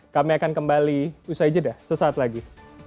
kami akan kembali usai jeda sesaat lagi